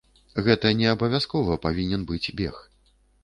Гэта не абавязкова павінен быць бег.